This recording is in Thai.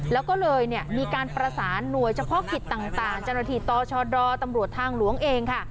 แล้วก็เลยเนี่ยมีการประสานหน่วยเฉพาะกิจต่างเจ้าหน้าที่ตชดตำรวจทางหลวงเองค่ะ